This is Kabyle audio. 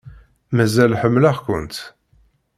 Mazal ḥemmleɣ-kent.